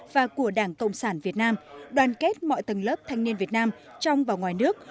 và của đảng cộng sản việt nam đoàn kết mọi tầng lớp thanh niên việt nam trong và ngoài nước